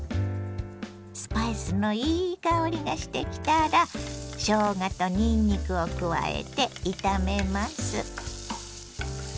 スパイスのいい香りがしてきたらしょうがとにんにくを加えて炒めます。